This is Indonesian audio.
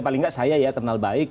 paling nggak saya ya kenal baik